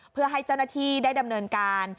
เพื่อให้เจ้าหน้าที่ได้ดำเนินการ